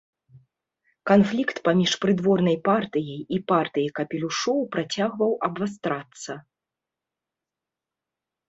Канфлікт паміж прыдворнай партыяй і партыяй капелюшоў працягваў абвастрацца.